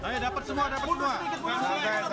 dapet semua dapet semua